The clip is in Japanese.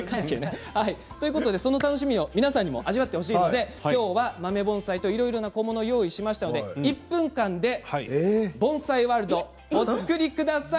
その楽しみを皆さんにも味わってほしいのできょうは豆盆栽といろいろな小物を用意しまして１分間で盆栽ワールド、お作りください。